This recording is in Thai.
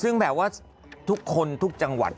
ซึ่งแบบว่าทุกคนทุกจังหวัด